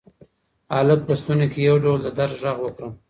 هلک په ستوني کې یو ډول د درد غږ وکړ.